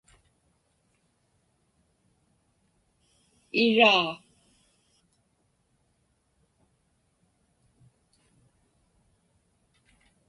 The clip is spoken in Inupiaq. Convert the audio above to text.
iraa